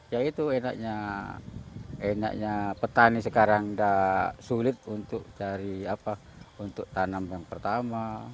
ya itu enaknya petani sekarang sudah sulit untuk cari tanam yang pertama